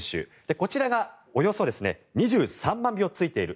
こちらがおよそ２３万票ついている。